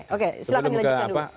oke silahkan dilanjutkan dulu